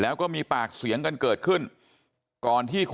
แล้วป้าไปติดหัวมันเมื่อกี้แล้วป้าไปติดหัวมันเมื่อกี้